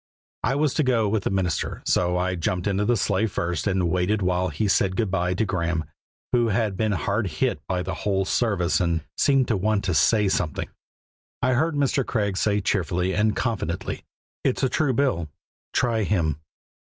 I was to go with the minister, so I jumped into the sleigh first and waited while he said good by to Graeme, who had been hard hit by the whole service and seemed to want to say something. I heard Mr. Craig say cheerfully and confidently: "It's a true bill: try Him."